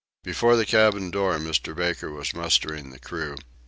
Before the cabin door Mr. Baker was mustering the crew.